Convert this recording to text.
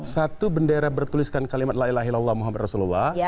satu bendera bertuliskan kalimat la ilahe illallah muhammad rasulullah